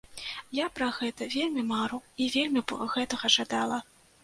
Я пра гэта вельмі мару, і вельмі б гэтага жадала.